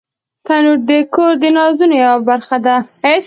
تنور د کور د نازونو یوه برخه ده